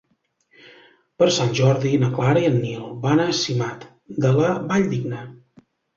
Per Sant Jordi na Clara i en Nil van a Simat de la Valldigna.